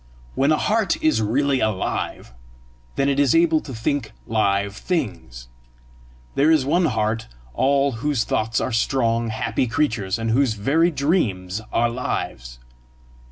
When a heart is really alive, then it is able to think live things. There is one heart all whose thoughts are strong, happy creatures, and whose very dreams are lives.